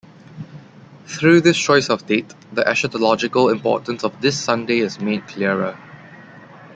Through this choice of date "the eschatological importance of this Sunday is made clearer".